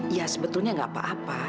ya sebetulnya nggak apa apa